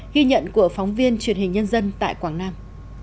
ghi nhận của phóng viên truyền hình nhân dân tại quảng nam